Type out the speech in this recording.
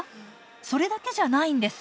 それだけじゃないんです。